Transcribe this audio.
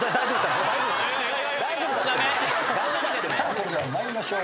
それでは参りましょう。